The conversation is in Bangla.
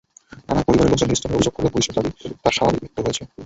রানার পরিবারের লোকজন নির্যাতনের অভিযোগ করলেও পুলিশের দাবি তাঁর স্বাভাবিক মৃত্যু হয়েছে।